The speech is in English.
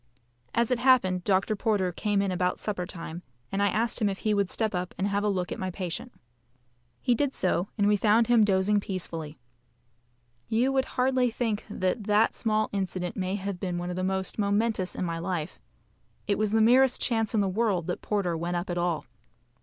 As it happened, Dr. Porter came in about supper time, and I asked him if he would step up and have a look at my patient. He did so, and we found him dozing peacefully. You would hardly think that that small incident may have been one of the most momentous in my life. It was the merest chance in the world that Porter went up at all.